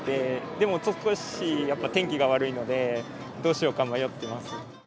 でも、やっぱ天気が悪いので、どうしようか迷ってます。